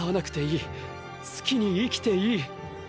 好きに生きていい！！